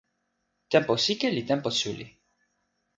tenpo sike li tenpo suli.